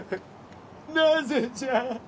なぜじゃ？